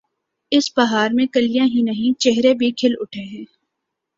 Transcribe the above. اس بہار میں کلیاں ہی نہیں، چہرے بھی کھل اٹھے ہیں۔